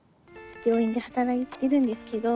病院で働いてるんですけど。